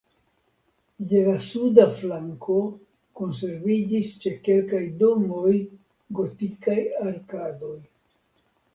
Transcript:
Je la suda flanko konserviĝis ĉe kelkaj domoj gotikaj arkadoj.